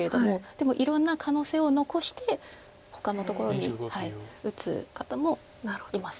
でもいろんな可能性を残してほかのところに打つ方もいます。